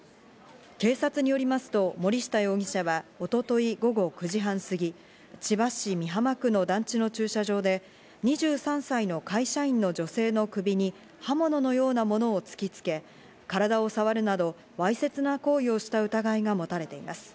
警察によりますと、森下容疑者は一昨日、午後９時半過ぎ、千葉市美浜区の団地の駐車場で２３歳の会社員の女性の首に刃物のようなものを突きつけ、体を触るなど、わいせつな行為をした疑いが持たれています。